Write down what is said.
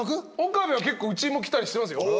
岡部は結構うちも来たりしてますよ。